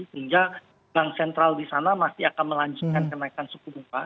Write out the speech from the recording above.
sehingga bank sentral di sana masih akan melanjutkan kenaikan suku bunga